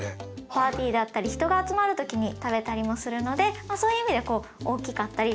パーティーだったり人が集まる時に食べたりもするのでそういう意味でこう大きかったり。